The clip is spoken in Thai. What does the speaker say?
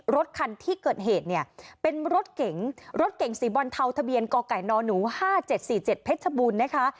รถคันที่เกิดเหตุเนี่ยเป็นรถเก๋งรถเก่งสีบอลเทาทะเบียนกไก่นหนู๕๗๔๗เพชรบูรณ์นะคะ